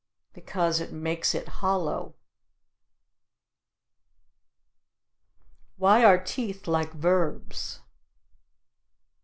Because it makes it hollow. Why are teeth like verbs?